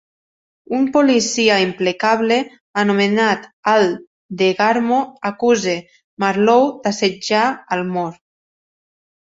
Un policia implacable anomenat Al Degarmo acusa Marlowe d'assetjar Almore.